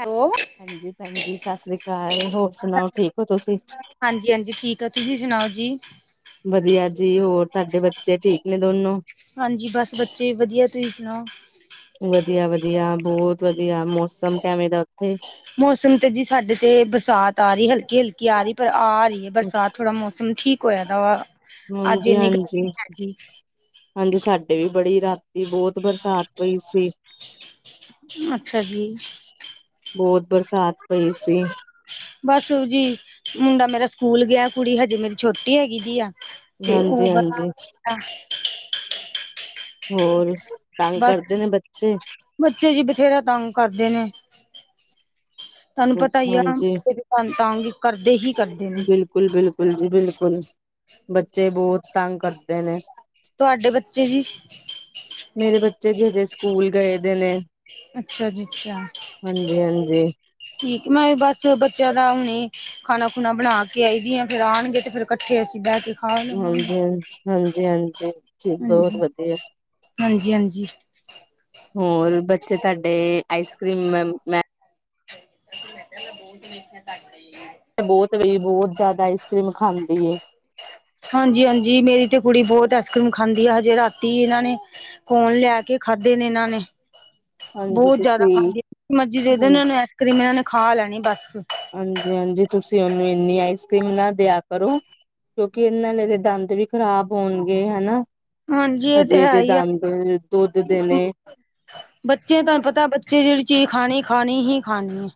Hello ਹਾਂਜੀ ਭੈਣ ਜੀ ਸਤਿ ਸ੍ਰੀ ਅਕਾਲ ਹੋਰ ਸੁਣਾਓ ਠੀਕ ਹੋ ਤੁਸੀਂ ਹਾਂਜੀ ਹਾਂਜੀ ਠੀਕ ਆ ਤੁਸੀਂ ਸੁਣਾਓ ਜੀ ਵਧੀਆ ਜੀ ਹੋਰ ਤੁਹਾਡੇ ਬੱਚੇ ਠੀਕ ਨੇ ਦੋਨੋ ਹਾਂਜੀ ਬਸ ਬੱਚੇ ਵਧੀਆ ਤੁਸੀਂ ਸੁਣਾਓ। ਵਧੀਆ-ਵਧੀਆ ਬਹੁਤ ਵਧੀਆ ਮੌਸਮ ਕਿਵੇਂ ਦਾ ਉੱਥੇ ਮੌਸਮ ਤਾਂ ਜੀ ਸਾਡੇ ਤੇ ਬਰਸਾਤ ਆ ਰਈ ਹਲਕੀ-ਹਲਕੀ ਆ ਰਈ ਪਰ ਆ ਰਈ ਹੈ ਬਰਸਾਤ ਥੋੜ੍ਹਾ ਮੌਸਮ ਠੀਕ ਹੋਇਆ ਦਾ ਵਾ। ਅੱਜ ਇੰਨੀ ਹਾਂਜੀ-ਹਾਂਜੀ ਗਰਮੀ ਹੈਗੀ ਹਾਂਜੀ ਸਾਡੇ ਵੀ ਬੜੀ ਰਾਤੀ ਬੋਤ ਬਰਸਾਤ ਪਈ ਸੀ। ਅੱਛਾ ਜੀ। ਬੋਤ ਬਰਸਾਤ ਪਈ ਸੀ। ਬਸ ਜੀ ਮੁੰਡਾ ਮੇਰਾ ਸਕੂਲ ਗਿਆ ਕੁੜੀ ਹਜੇ ਮੇਰੀ ਛੋਟੀ ਹੈਗੀ ਜੀ ਆ। ਤੇ ਓ ਹਾਂਜੀ ਬ ਹਾਂਜੀ ਹੋਰ ਤੰਗ ਕਰਦੇ ਨੇ ਬੱਚੇ ਬੱਚੇ ਜੀ ਬਥੇਰਾ ਤੰਗ ਕਰਦੇ ਨੇ। ਤੁਹਾਨੂੰ ਪਤਾ ਹੀ ਆ ਹਾਂਜੀ ਫਿਰ ਤੰਗ ਕਰਦੇ ਹੀ ਕਰਦੇ ਨੇ। ਬਿਲਕੁਲ ਜੀ-ਬਿਲਕੁਲ ਜੀ ਬਿਲਕੁਲ ਬੱਚੇ ਬੋਤ ਤੰਗ ਕਰਦੇ ਨੇ। ਤੁਹਾਡੇ ਬੱਚੇ ਜੀ। ਮੇਰੇ ਬੱਚੇ ਜਜੇ ਸਕੂਲ ਗਏ ਦੇ ਨੇ। ਅੱਛਾ ਜੀ ਅੱਛਾ ਹਾਂਜੀ ਹਾਂਜੀ ਠੀਕ ਮੈਂ ਬਸ ਬੱਚਿਆਂ ਦਾ ਹੁਣੇ ਖਾਣਾ ਖੁਣਾ ਬਣਾ ਕੇ ਆਈ ਦੀ ਆਂ ਫੇਰ ਆਂਣਗੇ ਤੇ ਫੇਰ ਕੱਠੇ ਤੇ ਅਸੀਂ ਬਹਿ ਕੇ ਖਾ ਲਵਾਂਗੇ ਹਾਂਜੀ ਹ ਹਾਂਜੀ-ਹਾਂਜੀ ਬੋਤ ਵਧੀਆ ਹਾਂਜੀ-ਹਾਂਜੀ। ਹੋਰ ਬੱਚੇ ਤੁਹਾਡੇ ਆਈਸ ਕਰ੍ਰੀਮ ਮੈਂ [inaudible] ਬੋਤ ਵੀ ਬੋਤ ਜਾਦਾ ਆਈਸ ਕਰ੍ਰੀਮ ਖਾਂਦੀ ਏ। ਹਾਂਜੀ-ਹਾਂਜੀ ਮੇਰੀ ਤੇ ਕੁੜੀ ਬੋਤ ਆਈਸ ਕਰ੍ਰੀਮ ਖਾਂਦੀ ਆ ਹਜੇ ਰਾਤੀ ਇਹਨਾਂ ਨੇ ਕੋਣ ਲਿਆ ਕੇ ਖਾਧੇ ਨੇ ਇਹਨਾਂ ਨੇ। ਹਾਂਜੀ ਬੋਤ ਜਾਦਾ ਤੁਸੀਂ ਖਾਂ ਜਿ [unintelligible] ਮਰਜੀ ਦੇਦੇ ਹਾਂ ਇਹਨਾਂ ਨੂੰ ਆਈਸ ਕਰ੍ਰੀਮ ਇਹਨਾਂ ਨੇ ਖਾ ਲੈਣੀ ਬਸ ਹਾਂਜੀ-ਹਾਂਜੀ ਤੁਸੀਂ ਓਨੂੰ ਇੰਨੀ ਆਈਸ ਕਰ੍ਰੀਮ ਨਾ ਦਿਆ ਕਰੋ। ਕਿਉਂਕਿ ਇਹਨਾਂ ਨੇ ਦੇ ਦੰਦ ਵੀ ਖ਼ਰਾਬ ਹੋਣਗੇ ਹਨਾ। ਹਾਂਜੀ ਇਹ ਤੇ ਹਜੇ ਹੈ ਇਹਦੇ ਹੀ ਆ ਦੰਦ ਦੁੱਧ ਦੇ ਬ ਨੇ ਬੱਚੇ ਦਾ ਪਤਾ ਚੀ ਚੀਜ਼ ਖਾਣੀ-ਖਾਣੀ ਹੀ ਖਾਣੀ‌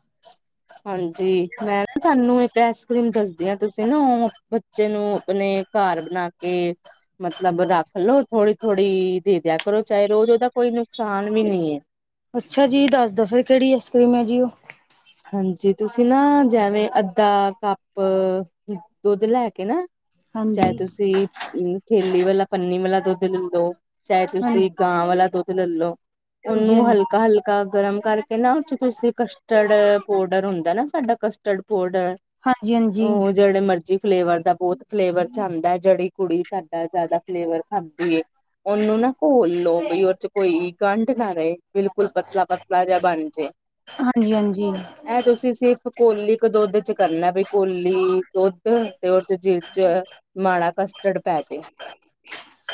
ਹਾਂਜੀ ਮੈਂ ਨਾ ਤੁਹਾਨੂੰ ਇੱਕ ਆਈਸ ਕਰ੍ਰੀਮ ਦੱਸ ਦੀ ਤੁਸੀਂ ਨਾ ਬੱਚੇ ਨੂੰ ਆਪਣੇ ਘਰ ਬਣਾ ਕੇ ਮਤਲਬ ਰੱਖ ਲਓ। ਥੋੜ੍ਹੀ-ਥੋੜ੍ਹੀ ਦੇ ਦਿਆ ਕਰੋ ਚਾਹੇ ਰੋਜ਼ ਉਹਦਾ ਕੋਈ ਨੁਕਸਾਨ ਵੀ ਨਈ ਏ। ਅੱਛਾ ਜੀ ਦੱਸ ਦੋ ਫਿਰ ਕੇੜੀ ਆਈਸਕ੍ਰੀਮ ਐ ਜੀ ਓ। ਹਾਂਜੀ ਤੁਸੀਂ ਨਾ ਜਿਵੇਂ ਅੱਧਾ ਕੱਪ ਦੁੱਧ ਲੈ ਕੇ ਨਾ ਚਾਹੇ ਹਾਂਜੀ ਤੁਸੀਂ ਥੇਲੀ ਵਾਲਾ ਪੰਨੀ ਵਾਲਾ ਦੁੱਧ ਲੱ ਲੋ ਚਾਹੇ ਹਾਂਜੀ ਤੁਸੀਂ ਗਾਂ ਵਾਲਾ ਦੁੱਧ ਲੱਲੋ ਹਾਂਜੀ ਉਹਨੂੰ ਹਾਂਜੀ ਹਲਕਾ-ਹਲਕਾ ਗਰਮ ਕਰਕੇ ਨਾ ਓ ਤੁਸੀਂ ਕਸਟਰਡ ਪਾਊਡਰ ਹੁੰਦਾ ਨਾ ਸਾਡਾ ਕਸਟਰਡ ਪਾਊਡਰ ਹਾਂਜੀ ਹਾਂਜੀ ਓ ਜੇੜੇ ਮਰਜ਼ ਫਲੇਵਰ ਦਾ ਬੋਤ ਫਲੇਵਰ 'ਚ ਆਂਦਾ ਹੈ ਜੇੜੀ ਕੁੜੀ ਸਾਡਾ ਜਾਦਾ ਫਲੇਵਰ ਖਾਂਦੀ ਏ। ਉਹਨੂੰ ਨਾ ਘੋਲ ਲੋ ਬਈ ਉਹਦੇ 'ਚ ਕੋਈ ਗੰਢ ਨਾ ਰਏ ਬਿਲਕੁਲ ਪਤਲਾ-ਪਤਲਾ ਜਿਹਾ ਬਣ ਜੇ। ਹਾਂਜੀ-ਹਾਂਜੀ ਇਹ ਤੁਸੀਂ ਸਿਰਫ ਕੋਲੀ ਕੇ ਦੁੱਧ 'ਚ ਕਰਨਾ ਬਈ ਕੋਲੀ ਦੁੱਧ ਤੇ ਓ 'ਚ ਜਿ 'ਚ ਮਾੜਾ ਕਸਟਰਡ ਪੈ ਜੇ।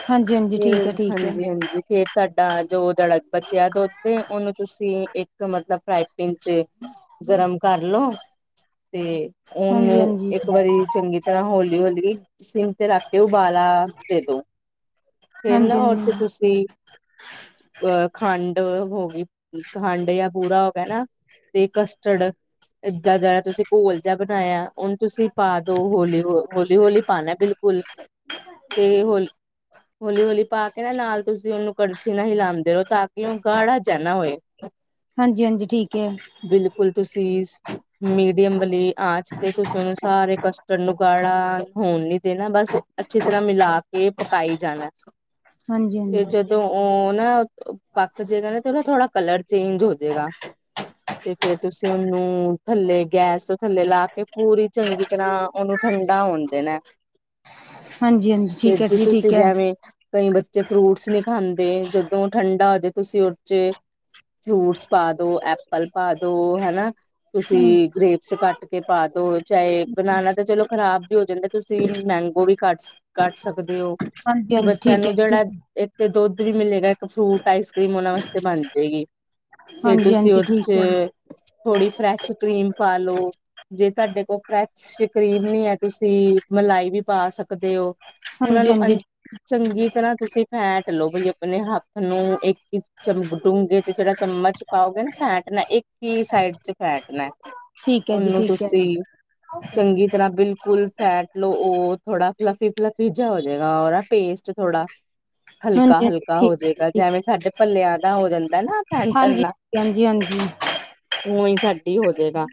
ਹਾਂਜੀ ਹਾਂਜੀ ਫਿਰ ਠੀਕ ਹੈ ਠੀਕ ਹੈ ਹਾਂਜੀ-ਹਾਂਜੀ ਫੇਰ ਤਾਡਾ ਜੋ ਦੜਕ ਬਚਿਆ ਦੁੱਧ ਤੇ ਉਹਨੂੰ ਤੁਸੀਂ ਇੱਕ ਮਤਲਬ ਫਰਾਈ ਪੀਨ ਤੇ ਗਰਮ ਕਰ ਲੋ ਤੇ ਹਾਂਜੀ ਉਹਨੂੰ ਹਾਂਜੀ ਇੱਕ ਵਾਰੀ ਚੰਗੀ ਤਰ੍ਹਾਂ ਹੌਲੀ-ਹੌਲੀ ਸਿੰਮ ਤੇ ਰੱਖ ਕੇ ਉਬਾਲਾ ਦੇ ਦੋ। ਫੇਰ ਨਾ ਹਾਂਜੀ ਹਾਂਜੀ ਉਹ ਚ ਤੁਸੀਂ ਅਹ ਖੰ ਹੋ ਗਈ ਖੰਡ ਯਾ ਬੂਰਾ ਹੋ ਗਿਆ ਨਾ ਤੇ ਕਸਟਰਡ ਏਦਾਂ ਜਿਹੜਾ ਤੁਸੀਂ ਘੋਲ ਜਿਹਾ ਬਨਾਇਆ ਉਹਨੂੰ ਤੁਸੀਂ ਪਾ ਦੋ ਹੋਲੀ-ਹੋ ਹੋਲੀ ਹੌਲੀ ਪਾਨਾ ਬਿਲੁ ਕੁਲ ਤੇ ਹੋਲ ਹੋਲੀ-ਹੋਲੀ ਪਾ ਕੇ ਨਾ ਨਾਲ ਤੁਸੀਂ ਉਹਨੂੰ ਕੜਛੀ ਨਾਲ ਹਿਲਾਂਦੇ ੳ ਤਾਂ ਕਿ ਉਹ ਗਾੜਾ ਜਿਆ ਨਾ ਹੋਏ। ਹਾਂਜੀ-ਹਾਂਜੀ ਠੀਕ ਹੈ। ਬਿਲਕੁਲ ਤੁਸੀਂ ਮੀਡੀਅਮ ਵਾਲੀ ਆਂਚ ਤੇ ਤੁਸੀਂ ੳਨੁ ਸਾਰੇ ਚੰਨ ਗਾੜਾ ਹੋਨ ਨੀ ਦੇਨਾ ਬਸ ਅੱਛੀ ਤਰ੍ਹਾਂ ਮਿਲਾ ਕੇ ਪਕਾਈ ਜਾਨਾ। ਹਾਂਜੀ ਫੇਰ ਹਾਂਜੀ ਜਦੋਂ ਉਹ ਨਾ ਪੱਕ ਜੇਗਾ ਤੇ ਉਹਨੂੰ ਥੋੜਾ ਕਲਰ ਚੇਂਜ ਹੋਜੇਗਾ। ਤੇ ਫੇਰ ਤੁਸੀਂ ਉਹਨੂੰ ਥੱਲੇ ਗੈਸ ਤੋਂ ਥੱਲੇ ਲਾ ਕੇ ਪੂਰੀ ਚੰਗੀ ਤਰ੍ਹਾਂ ਉਹਨੂੰ ਠੰਡਾ ਹੋਨ ਦੇਨਾ ਹਾਂਜੀ ਹਾਂਜੀ ਤੇ ਠੀਕ ਹੈ ਜੀ ਤੁਸੀਂ ਠੀਕ ਹੈ ਜੇਵੇਂ ਕਈ ਬੱਚੇ ਫਰੂਟਸ ਨਹੀਂ ਖਾਂਦੇ ਜਦੋਂ ਠੰਡਾ ਹੋਜੇ ਤੁਸੀਂ ਉਦ ਚ ਫਰੂਟਸ ਪਾ ਦੋ ਐਪਲ ਪਾ ਦੋ ਹਨਾ ਹਾਂਜੀ ਤੁਸੀਂ ਗ੍ਰੇਪਸ ਕੱਟ ਕੇ ਪਾ ਦੋ ਚਾਹੇ ਬਨਾਨਾ ਤਾਂ ਚਲੋ ਖ਼ਰਾਬ ਵੀ ਹੋ ਜਾਂਦਾ। ਤੁਸੀਂ ਮੈਂਗੋ ਵੀ ਕੱਟ ਕੱਟ ਸਕਦੇ ਓ ਹਾਂਜੀ ਕਿ ਹਾਂਜੀ ਬੱਚਿਆਂ ਠੀਕ ਹੈ ਨੂੰ ਜੀ ਜਿਹੜਾ ਇੱਕ ਤੇ ਦੁੱਧ ਵੀ ਮਿਲੇਗਾ ਇੱਕ ਫਰੂਟ ਆਈਸ ਕਰ੍ਰੀਮ ਉਹਨਾ ਵਾਸਤੇ ਬਨ ਜੇਗੀ। ਹਾਂਜੀ-ਹਾਂਜੀ ਠੀਕ। ਤੇ ਥੋੜੀ ਫਰੈਸ਼ ਕ੍ਰੀਮ ਪਾ ਲੋੋ ਜੇ ਤੁਹਾਡੇ ਕੋਲ ਫਰੈਸ਼ ਕਰੀਮ ਨੀ ਹੈ ਤੁਸੀਂ ਮਲਾਈ ਵੀ ਪਾ ਸਕਦੇ ਓ। ਹਾਂਜੀ ਉਹਨਾਂ ਨੂੰ ਹਾਂਜੀ ਅ ਚੰਗੀ ਤਰ੍ਹਾਂ ਤੁਸੀਂ ਫੈਟ ਲਓ ਬਈ ਅਪਨੇ ਹੱਥ ਨੂੰ ਇੱਕ ਚ ਡੂੰਘੇ ਚ ਜਿਹੜਾ ਚਮਚ ਪਾਓਗੇ ਨਾ ਫੈਟਨਾ ਇੱਕ ਹੀ ਸਾਈਡ ਚ ਫੈਟਨਾ। ਠੀਕ ਹੈ ਜੀ ਉਹਨੂੰ ਠੀਕ ਹੈ ਤੁਸੀਂ ਚੰਗੀ ਤਰ੍ਹਾਂ ਬਿਲਕੁਲ ਫੈਟ ਤਲੋ ਉਹ ਥੋੜਾ ਫਲੱਫੀ ਫਲਫੀ ਜੇਆ ਹੋ ਜਾਏਗਾ ਉਹ ਓਦਾ ਪੇਸਟ ਥੋੜਾ। ਹਲਕਾ ਹਾਂਜੀ ਹਾਂਜੀ ਹਲਕਾ ਹੋ ਜਏਗਾ ਠੀਕ ਜੇਵੇਂ ਸਾਡੇ ਭਲਿਆਂ ਦਾ ਹੋ ਜਾਂਦਾ ਨਾ ਹਾਂਜੀ ਫੈਂਨਟਨ ਹਾਂਜੀ ਨਾਲ। ਹਾਂਜੀ ਹਾਂਜੀ। ਉਵੇ ਹੀ ਸਾਡੀ ਹੋਜੇਗਾ।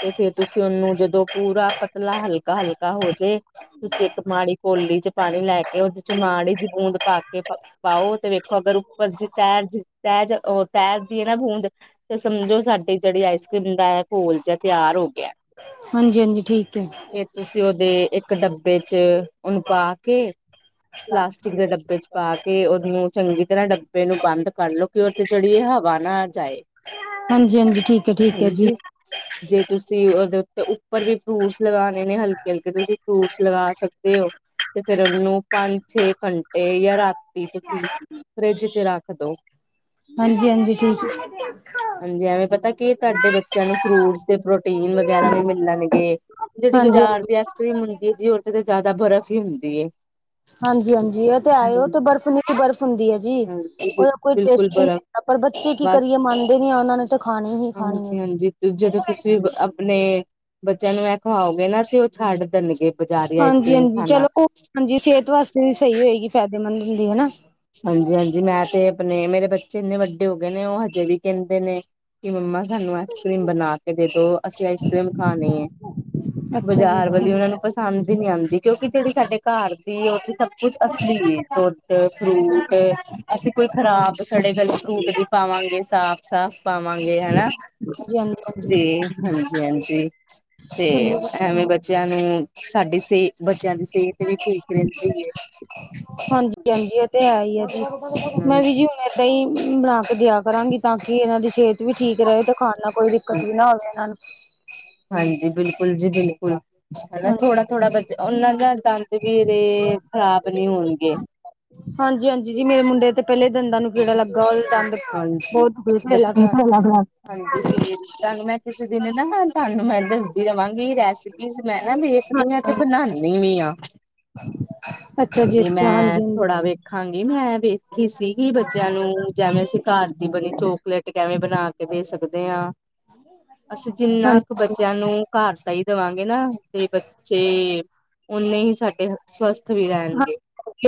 ਤੇ ਫੇਰ ਤੁਸੀਂ ਉਹਨੂੰ ਜਦੋਂ ਪੂਰਾ ਪਤਲਾ ਹਲਕਾ ਹਲਕਾ ਹੋਜੇ ਤੁਸੀਂ ਇੱਕ ਮਾੜੀ ਕੋਲੀ ਚ ਪਾਣੀ ਲੈ ਕੇ ਉਹਦੇ ਚ ਮਾੜੀ ਜੀ ਬੂੰਦ ਪਾ ਕੇ ਪਾਓ ਤੇ ਵੇਖੋ ਅਗਰ ਉੱਪਰ ਜ ਤੈਰ ਤੈ ਜਾ ਤੈਰਦੀ ਹੈ ਨਾ ਬੂੰਦ ਤੇ ਸਮਝੋ ਸਾਡੀ ਜਿਹੜੀ ਆਈਸਕ੍ਰੀਮ ਦਾ ਇਹ ਘੋਲ ਜਿਹਾ ਤਿਆਰ ਹੋ ਗਿਆ। ਹਾਂਜੀ ਹਾਂਜੀ ਠੀਕ ਹੈ। ਫੇਰ ਤੁਸੀਂ ਉਹਦੇ ਇੱਕ ਡੱਬੇ ਚ ਓਨੂੰ ਪਾ ਕੇ ਪਲਾਸਟਿਕ ਦੇ ਡੱਬੇ ਚ ਪਾ ਕੇ ਉਹਨੂੰ ਚੰਗੀ ਤਰ੍ਹਾਂ ਡੱਬੇ ਨੂੰ ਬੰਦ ਕਰ ਲਓ ਕਿ ਉਹ ਚ ਜੇੜੀ ਏਹ ਹਵਾ ਨਾ ਜਾਏ। ਹਾਂਜੀ ਹਾਂਜੀ ਠੀਕ। ਹੈ ਠੀਕ ਹੈ ਜੀ ਹਾਂਜੀ। ਜੇ ਤੁਸੀਂ ਉਹਦੇ ਉੱਤੇ ਉੱਪਰ ਵੀ ਫਰੂਟਸ ਲਗਾਨੇ ਨੇ ਹਲਕੇ ਹਲਕੇ ਤੁਸੀਂ ਫਰੂਟਸ ਲਗਾ ਸਕਦੇ ਹੋ। ਤੇ ਫੇਰ ਉਹਨੂੰ ਪੰਜ ਛੇ ਘੰਟੇ ਯਾ ਰਾਤੀ ਤੁਸੀਂ ਫਰਿੱਜ ਚ ਰੱਖਦੋ। ਹਾਂਜੀ ਹਾਂਜੀ ਠੀਕ। ਹਾਂਜੀ ਐਵੇਂ ਪਤਾ ਕੀ ਤੁਹਾਡੇ ਬੱਚਿਆਂ ਨੂੰ ਫਰੂਟਸ ਤੇ ਪ੍ਰੋਟੀਨ ਵਗੈਰਾ ਵੀ ਮਿਲਨਗੇ। ਜਿਹੜੀ ਹਾਂਜੀ ਹਾਂਜੀ ਬਜ਼ਾਰ ਦੀ ਆਈਸਕ੍ਰੀਮ ਹੁੰਦੀ ਹੈ ਜੀ ਉਹਦੇ ਤੇ ਜ਼ਿਆਦਾ ਬਰਫ਼ ਹੀ ਹੁੰਦੀ ਏ। ਹਾਂਜੀ-ਹਾਂਜੀ ਏ ਤੇ ਹਾਏ ਓ ਤੇ ਬਰਫ਼ ਨੀਕੀ ਬਰਫ਼ ਹੁੰਦੀ ਏ। ਜੀ, ਹਾਂਜੀ, ਓਦਾ ਕੋਈ ਟੇਸਟ ਬਿਲਕੁਲ ਵੀ ਨੀ ਬਰਫ਼ ਹੂੰਦਾ ਪਰ ਬੱਚੇ ਕੀ ਬਸ ਕਰੀਏ ਮੰਨਦੇ ਨੀ ਆ ਓਨਾਂ ਨੇ ਤੇ ਖਾਣੀ ਈ ਖਾਣੀ ਐ। ਤੇ ਜਦੋਂ ਤੁਸੀਂ ਆਪਨੇ, ਬੱਚੇਆਂ ਨੂੰ ਐ ਖਵਾਓਗੇ ਨਾ ਤੇ ਓ ਛਾੱਡ ਦਨਗੇ। ਹਾਂਜੀ-ਹਾਂਜੀ ਚਲੋ, ਹਾਂਜੀ ਸੇਹਤ ਵਾਸਤੇ ਵੀ ਸਈ ਹੋਏਗੀ ਫੈਦੇਮੰਦ ਹੁੰਦੀ ਹਨਾ ਹਾਂਜੀ-ਹਾਂਜੀ ਮੈਂ ਤੇ ਅਪਨੇ, ਮੇਰੇ ਬੱਚੇ ਏਨੇ ਵੱਡੇ ਹੋ ਗੇ ਨੇ ਓ ਹਜੇ ਵੀ ਕੇਂਦੇ ਨੇ ਕਿ ਮੰਮਾ ਸਾਨੂੰ ਐਸ ਕ੍ਰੀਮ ਬਨਾ ਕੇ ਦੇ ਦੋ ਅਸੀਂ ਆਈਸ ਕ੍ਰੀਮ ਖਾਣੀ ਏ। ਅੱਛਾ ਜੀ ਬਾਜਾਰ ਅੱਛਾ ਵਾਲੀ ਓਨਾ ਨੂੰ ਪਸ ਪਸੰਦ ਈ ਨੀ ਆਂਦੀ ਕੇਓਕੀ ਜੇੜੀ ਸਾਡੇ ਘਾਰ ਦੀ ਏ ਓ ਤੇ ਸਬ ਕੁਛ ਅਸਲੀ ਏ ਦੋਦ ਫ੍ਰੂਟ, ਅਸੀਂ ਕੋਈ ਖਰਾਬ ਸੜੇ-ਗੱਲ ਫ੍ਰੂਟ ਵੀ ਪਾਵਾਂਗੇ ਸਾਫ-ਸਾਫ ਪਾਵਾਂਗੇ ਹਣਾ, ਹਾਂਜੀ ਹਾਂਜੀ ਤੇ ਹਾਂਜੀ-ਹਾਂਜੀ। ਤੇ ਹਾਂਜੀ ਐਵੇਂ ਬੱਚੇਆਂ ਨੂੰ, ਸਾਡੀ ਸੇ ਬੱਚੇਆਂ ਦੀ ਸੇਤ ਵੀ ਠੀਕ ਰੇਂਦੀ ਏ। ਹਾਂਜੀ-ਹਾਂਜੀ ਐ ਤੇ ਹੈ ਈ ਐ ਜੀ, ਮੈਂ ਵੀ ਹਾਂਜੀ। ਜੀ ਐਦਾਂ ਈ, ਬਣਾ ਕੇ ਦੇਆ ਕਰਾਂਗੀ ਤਾਂ ਕਿ ਐਨਾਂ ਦੀ ਸ੍ਹੇਤ ਵੀ ਠੀਕ ਰਏ ਤੇ ਖਾਣ ਨਾਲ ਕੋਈ ਦਿੱਕਤ ਵੀ ਨਾ ਹੋਵੇ ਐਨਾਂ ਨੂੰ। ਹਾਂਜੀ, ਬਿਲਕੁਲ ਜੀ ਬਿਲਕੁਲ। ਹਨਾ ਹਾਂਜੀ ਥੋੜਾ-ਥੋੜਾ ਬੱਚਾ ਓਨਾਂ ਦਾ ਦੰਦ ਵੀ ਏਦੇ ਖ਼ਰਾਬ ਨੀ ਹੋਣਗੇ। ਹਾਂਜੀ-ਹਾਂਜੀ ਜੀ ਮੇਰੇ ਮੁੰਡੇ ਤੇ ਪੇਲੇ ਦੰਦਾਂ ਨੂੰ ਕੀੜਾ ਲੱਗਾ ਓਦੇ ਦੰਦ ਬੋਤ [unintelligible] [unintelligible] ਤਾਹਨੁ ਮੈਂ ਕਿਸੇ ਦਿਨ ਨਾ ਤੁਆਨੂੰ ਮੈਂ ਦੱਸਦੀ ਰਵਾਂਗੀ ਰੈਸ [unintelligible] ਵੇਖਦੀ ਆਂ ਕੀ ਤੂ ਨ੍ਹਾਨੀ ਨੀ ਆ। ਅੱਛਾ ਜੀ ਤੇ ਅੱਛਾ ਮੈਂ, ਹਾਂਜੀ ਹਾਂਜੀ ਥੋੜਾ ਵੇਖਾਂਗੀ ਮੈਂ ਵੇਖੀ ਸੀ। ਕੀ ਬੱਚੇਆਂ ਨੂੰ, ਜਾਵੇਂ ਅਸੀਂ ਘਾਰ ਦੀ ਬਨੀ ਚੋਕਲੇਟ ਕੈਵੇਂ ਬਨਾ ਕੇ ਦੇ ਸਕਦੇ ਆਂ? ਅਸੀਂ ਜਿੰਨਾ ਕੁ ਹਾਂਜੀ ਬੱਚੇਆਂ ਨੂੰ, ਘਾਰ ਦਾ ਈ ਦਵਾਂਗੇ ਨਾ ਤੇ ਬੱਚੇ, ਓਨੇ ਹੀ ਸਾਡੇ ਸਵਸਥ ਵੀ ਰੈਨਗੇ।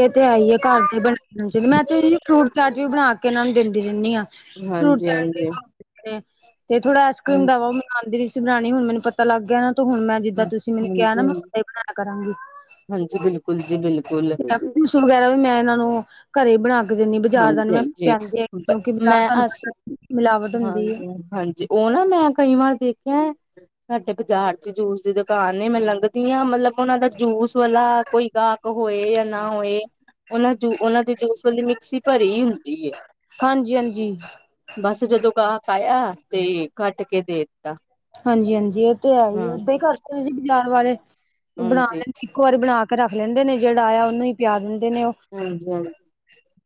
ਏ ਤੇ ਹੈਈ ਏ ਘਾਰ ਤੇ ਬਨਾ [unintelligible] ਮੈਂ ਤੇ ਐਈ ਓ ਫ੍ਰੂਟ ਚਾਟ ਵੀ ਬਣਾ ਕੇ ਏਨਾਂ ਨੂੰ ਦੇਂਦੀ ਰੈਨੀ ਆਂ। ਹਾਂਜੀ-ਹਾਂਜੀ। ਹੂੰ, ਏ ਥੋੜਾ ਆਈਸ ਕ੍ਰੀਮ ਦਾਵਾ ਓ ਮੈਨ ਆਂਦੀ ਨੀ ਸੀ ਬਣਾਣੀ ਹੁਣ ਮੈਨੂੰ ਪਤਾ ਲਾੱਗ ਗੇਆ ਨਾ ਹੁਣ ਮੈਂ ਜਿੱਦਾਂ ਤੁਸੀਂ ਮੈਨੂੰ ਕੇਆ ਨਾ ਹਾਂਜੀ ਮੈਂ ਓਨਾਂ ਈ ਬਣਾਏਆ ਕਰਾਂਗੀ। ਹਾਂਜੀ, ਬਿਲਕੁਲ ਜੀ ਬਿਲਕੁਲ। [unintelligible] ਵਗੈਰਾ ਵੀ ਮੈਂ ਐਨਾਂ ਨੂੰ ਘਰੇ ਬਣਾ ਕੇ ਦਿੰਨੀ ਬਜਾਰ ਦਾ ਨੀ, ਹਾਂਜੀ ਮੈਂ ਹਾਂਜੀ ਪੇਆਂਦੀ ਹੈਗੀ ਆ ਕੇਓਕਿ ਮੈਂ [unintelligible] ਤਾਨੂੰ ਅਸ ਮਿਲਾਵਟ ਹੁੰਦੀ ਆ ਓ ਨਾ ਮੈਂ ਕਈ ਵਾਰ ਦੇਖੇਆ ਐ ਸਾਡੇ ਬਜਾਰ ਚ ਜੂਸ ਦੀ ਦਕਾਨ ਨੇ ਮੈਂ ਲੰਘਦੀ ਆ ਮਤਲਬ ਓਨਾਂ ਦਾ ਜੂਸ ਵਾਲਾ ਕੋਈ ਗਾਕ ਹੋਏ ਯਾ ਨਾ ਹੋਏ, ਓਨਾਂ ਜੂ ਓਨਾਂ ਦੇ ਜੂ ਸੀ ਘਰੇ ਈ ਹੁੰਦੀ ਏ। ਹਾਂਜੀ ਹਾਂਜੀ ਬੱਸ ਜਦੋਂ ਗਾਕ ਆਏਆ, 'ਤੇ ਕੱਟ ਕੇ ਦੇ ਤਾ ਹਾਂਜੀ-ਹਾਂਜੀ ਏ ਤੇ ਹੈ ਈ ਏ ਏਦਾਂ [unintelligible] ਇੱਕ ਵਾਰੀ ਹਾਂਜੀ ਬਣਾ ਕੇ ਰੱਖ ਲੈਂਦੇ ਨੇ ਜੇੜਾ ਆਏਆ ਓਨੂੰ ਈ ਪੇਆ ਦਿੰਦੇ ਨੇ ਓ, ਹਾਂਜੀ ਹਾਂਜੀ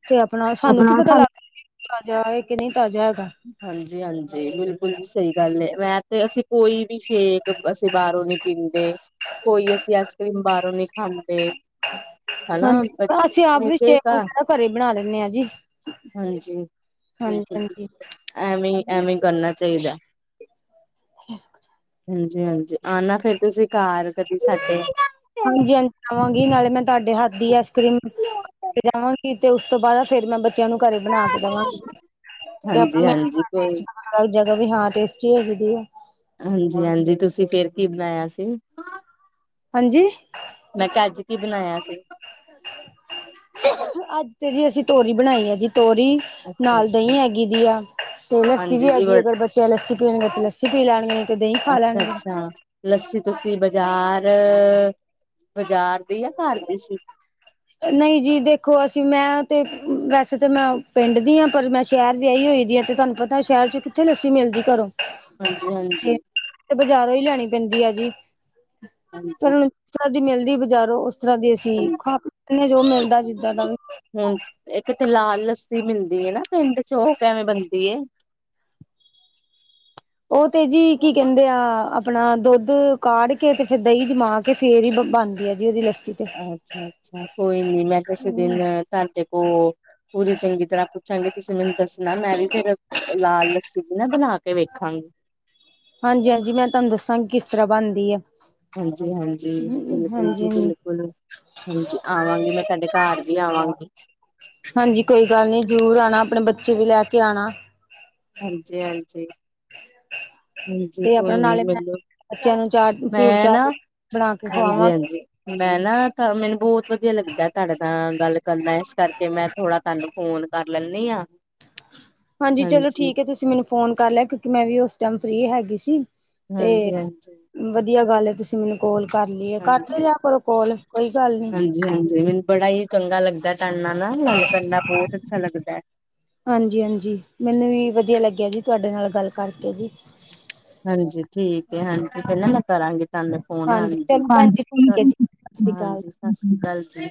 ਤੇ ਆਪਣਾ ਸਾਨੂੰ ਕੀ ਆਪਣਾ ਪਤਾ ਲੱਗ ਤਾਜਾ ਆ ਕੇ ਨੀਂ ਤਾਜਾ ਹੈਗਾ ਹਾਂਜੀ-ਹਾਂਜੀ, ਬਿਲਕੁਲ ਸਈ ਗੱਲ ਏ ਮੈਂ ਤੇ ਅਸੀਂ ਕੋਈ ਵੀ ਸ਼ੇਕ ਅਸੀਂ ਬਾਰੋਂ ਨੀ ਪੀਂਦੇ, ਕੋਈ ਅਸੀਂ ਐਸ ਕ੍ਰੀਮ ਬਾਰੋਂ ਨੀਂ ਖਾਂਦੇ ਹਨਾ ਹਾਂਜੀ ਅਸੀਂ ਆਪ ਵੀ ਸ਼ੇਕ ਵਗੈਰਾ [unintelligible] ਘਰੇ ਬਣਾ ਲੈਂਨੇ ਆ ਜੀ ਹਾਂਜੀ ਹਾਂਜੀ ਹਾਂਜੀ ਐਵੇਂ ਐਵੇਂ ਕਰਨਾ ਚਾਹੀਦਾ ਹਾਂਜੀ, ਹਾਂਜੀ ਆਨਾ ਫਿਰ ਤੁਸੀਂ ਘਰ ਕਦੀ ਤੁਸੀ ਸਾਡੇ ਹਾਂਜੀ, ਹਾਂਜੀ ਖਾਵਾਂਗੀ ਨਾਲੇ ਮੈਂ ਤਾਡੇ ਹੱਥ ਦੀ ਆਈਸ ਕਰੀਮ ਤੇ ਜਾਵਾਂਗੀ ਤੇ ਉਸ ਤੋਂ ਬਾਦ ਫੇਰ ਮੈਂ ਬੱਚ ਬੱਚਿਆਂ ਨੂੰ ਘਰੇ ਬਣਾ ਕੇ ਦੇਵਾਂਗੇ ਤੇ ਆਪਾਂ ਮੇ ਹਾਂਜੀ-ਹਾਂਜੀ ਕੋਈ ਕੱਲ ਜਗ੍ਹਾ ਵੀ ਹਾਂ ਟੇਸਟੀ ਹੈਗੀ ਦੀ ਆ ਹਾਂਜੀ, ਹਾਂਜੀ ਤੁਸੀਂ ਫੇਰ ਕੀ ਬਣਾਇਆ ਸੀ ਹਾਂਜੀ ਮੈਂ ਕਿਆ ਅੱਜ ਕੀ ਬਣਾਇਆ ਸੀ ਅੱਜ ਤੇ ਜੀ ਅਸੀਂ ਤੋਰੀ ਬਣਾਈ ਆ ਜੀ ਤੋਰੀ ਨਾਲ ਅੱਛਾ-ਅੱਛਾ ਦਹੀਂ ਹੈਗੀ ਦੀ ਆ ਤੇ ਲੱਸੀ ਹਾਂਜੀ ਵੀ ਜੀ ਹੈਗੀ ਅਗਰ ਬੱਚੇ ਲੱਸੀ ਪੀਣਗੇ ਤੇ ਲੱਸੀ ਪੀ ਲੈਣਗੇ ਤੇ ਦਹੀਂ ਖਾ ਲੈਣਗੇ ਅੱਛਾ-ਅੱਛਾ ਲੱਸੀ ਤੁਸੀਂ ਬਜ਼ਾਰ ਬਜ਼ਾਰ ਦੀ ਯਾ ਘਰ ਦੀ ਸੀ ਨਈ ਜੀ ਦੇਖੋ ਅਸੀਂ ਮੈਂ ਤੇ ਵੈਸੇ ਤਾਂ ਮੈਂ ਪਿੰਡ ਦੀ ਆ ਪਰ ਮੈਂ ਸ਼ਹਿਰ ਵਿਆਹੀ ਹੋਈ ਦੀ ਆ ਤੇ ਤੁਹਾਨੂੰ ਪਤਾ ਸ਼ਹਿਰ ਚ ਕਿੱਥੇ ਲੱਸੀ ਮਿਲਦੀ ਘਰੋਂ ਹਾਂਜੀ, ਹਾਂਜੀ ਤੇ ਬਾਜ਼ਾਰੋਂ ਈ ਲੈਣੀ ਪੈਂਦੀ ਆ ਜੀ ਹਾਂਜੀ ਹਾਂਜੀ ਫੇਰ ਜਿਸ ਤਰ੍ਹਾਂ ਦੀ ਮਿਲਦੀ ਬਜ਼ਾਰੋਂ ਉਸ ਜ ਤਰ੍ਹਾਂ ਦੀ ਅਸੀਂ ਖਾਦੇ ਜੋ ਮਿਲਦਾ ਜਿੱਦਾਂ ਦਾ ਹਾਂਜੀ। ਵੀ ਹੁਣ ਇੱਕ ਤੇ ਲਾਲ ਲੱਸੀ ਮਿਲਦੀ ਏ ਨਾ ਪਿੰਡ ਚੋ ਉਹ ਕਿਵੇਂ ਬਣਦੀ ਏ ਉਹ ਤੇ ਜੀ ਕੀ ਕਹਿੰਦੇ ਆ ਆਪਣਾ ਦੁੱਧ ਕਾੜ ਕੇ ਅਤੇ ਫੇਰ ਦਹੀਂ ਜਮਾ ਕੇ ਫਿਰ ਹੀ ਬਣਦੀ ਆ ਜੀ ਉਹਦੀ ਲੱਸੀ ਤੇ ਅੱਛਾ ਅੱਛਾ ਕੋਈ ਨੀ ਮੈਂ ਕਿਸੇ ਦਿਨ ਤੁਹਾਡੇ ਕੋਲ ਪੂਰੀ ਚੰਗੀ ਤਰ੍ਹਾਂ ਚੰਗੇ ਤੁਸੀਂ ਮੈਨੂੰ ਦੱਸਣਾ ਮੈਂ ਵੀ ਫੇਰ ਲਾਲ ਲਸੀ ਦੀ ਨਾ ਬਣਾ ਕੇ ਵੇਖਾਂਗੀ ਹਾਂਜੀ, ਹਾਂਜੀ ਮੈਂ ਤਾਨੂੰ ਦੱਸਾਂਗੀ ਕਿਸ ਤਰ੍ਹਾਂ ਬਣਦੀ ਆ ਹਾਂਜੀ, ਹਾਂਜੀ ਬਿਲਕੁਲ ਜੀ ਬਿਲਕੁਲ ਹਾਂਜੀ ਆਵਾਂਗੀ ਮੈਂ ਤਾਡੇ ਘਰ ਵੀ ਆਵਾਂਗੀ ਹਾਂਜੀ ਕੋਈ ਗੱਲ ਨੀ ਜ਼ਰੂਰ ਆਣਾ ਆਪਣੇ ਬੱਚੇ ਵੀ ਲੈ ਕੇ ਆਣਾ ਹਾਂਜੀ, ਹਾਂਜੀ ਹਾਂਜੀ ਤੇ ਆਪਣਾ ਕੋਈ ਨੀ ਨਾਲੇ ਮੈਂ ਮੈਨੂੰ ਬੱਚਿਆਂ ਨੂੰ ਚਾਟ ਫਰੂਟ ਮੈਂ ਨਾ ਚਾਟ ਬਣਾ ਕੇ ਹਾਂਜੀ, ਖਵਾਵਾਂ ਹਾਂਜੀ ਮੈਂ ਨਾ ਤਾਂ ਮੈਨੂੰ ਬੋਹਤ ਵਧੀਆ ਲੱਗਦਾ ਤਾਡੇ ਤਾਂ ਗੱਲ ਕਰਨਾ ਇਸ ਕਰਕੇ ਮੈਂ ਥੋੜ੍ਹਾ ਤਾਨੂੰ ਫੋਨ ਕਰ ਲੈਨੀ ਆ ਹਾਂਜੀ ਚਲੋ ਠੀਕ ਏ ਤੁਸੀਂ ਮੈਨੂੰ ਫੋਨ ਕਰ ਲਿਆ ਕਿਉਂਕਿ ਮੈਂ ਵੀ ਉਸ ਟਾਈਮ ਫਰੀ ਹੈਗੀ ਸੀ ਤੇ ਹਾਂਜੀ-ਹਾਂਜੀ, ਵਧੀਆ ਗੱਲ ਏ ਤੁਸੀਂ ਮੈਨੂੰ ਕੋਲ ਕਰ ਲਈ ਏ ਕਰਦੇ ਰਿਆ ਕਰੋਂ ਕੋਲ ਕੋਈ ਗੱਲ ਨੀ ਜੀ ਹਾਂਜੀ ਮੈਨੂੰ ਬੜਾ ਹੀ ਚੰਗਾ ਲੱਗਦਾ ਤਾਡੇ ਨਾਲ ਨਾ ਗੱਲ ਕਰਨਾ ਬਹੁਤ ਅੱਛਾ ਲੱਗਦਾ। ਹਾਂਜੀ ਹਾਂਜੀ ਮੈਨੂੰ ਵੀ ਵਧੀਆ ਲੱਗਿਆ ਜੀ ਤੁਹਾਡੇ ਨਾਲ ਗੱਲ ਕਰਕੇ ਜੀ। ਹਾਂਜੀ ਠੀਕ ਏ ਹਾਂਜੀ ਪਹਿਲਾਂ ਮੈਂ ਕਰਾਂਗੀ ਤੁਹਾਨੂੰ। ਫੋਨ ਹਾਂਜੀ ਚਲੋ ਭੈਣ ਜੀ ਠੀਕ ਹੈ ਜੀ ਸਤਿ ਸ੍ਰੀ ਅਕਾਲ ਸਤਿ ਸ੍ਰੀ ਅਕਾਲ ਜੀ।